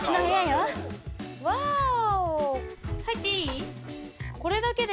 ワオ入っていい？